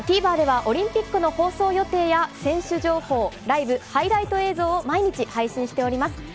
ＴＶｅｒではオリンピックの放送予定や選手情報、ライブ、ハイライト映像を毎日配信しています。